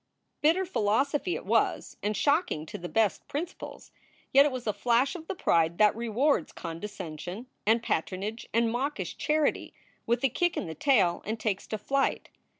Bitter philosophy it was and shocking to the best prin ciples, yet it was a flash of the pride that rewards conde scension and patronage and mawkish charity with a kick in the tail and takes to flight.